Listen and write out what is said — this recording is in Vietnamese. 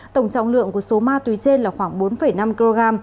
tổng trọng lượng của số ma túy trên là khoảng bốn năm kg